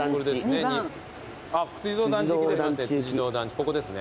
ここですね。